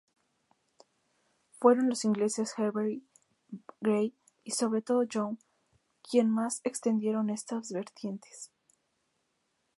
Fueron los ingleses Hervey, Gray y sobre todo Young quienes más extendieron esta vertiente.